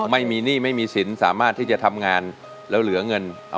ไม่มีหนี้ไม่มีสินสามารถที่จะทำงาน